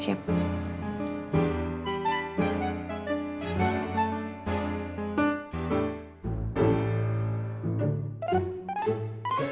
terima kasih pak chandra